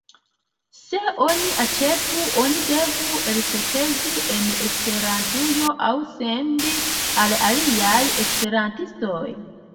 Se oni aĉetu, oni devu elspezi en Esperantujo aŭ sendi al aliaj esperantistoj.